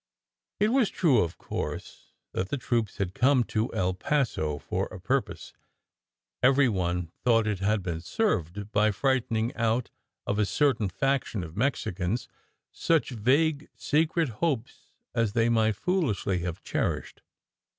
It was true, of course, that the troops had come to El Paso for a purpose. Every one thought it had been served by frightening out of a certain faction of Mexicans such vague, secret hopes as they might foolishly have cherished.